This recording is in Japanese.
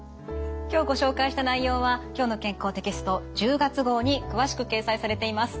今日ご紹介した内容は「きょうの健康」テキスト１０月号に詳しく掲載されています。